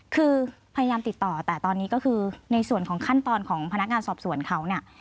คือพยายามติดต่อแต่ตอนนี้ก็คือในส่วนของขั้นตอนของพนักงานสอบสวนเขาเนี่ย